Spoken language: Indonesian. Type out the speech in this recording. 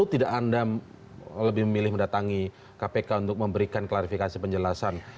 tidak anda lebih memilih mendatangi kpk untuk memberikan klarifikasi penjelasan